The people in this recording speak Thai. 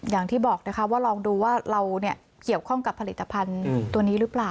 อย่างที่บอกนะคะว่าลองดูว่าเราเกี่ยวข้องกับผลิตภัณฑ์ตัวนี้หรือเปล่า